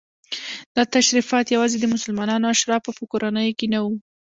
دا تشریفات یوازې د مسلمانو اشرافو په کورنیو کې نه وو.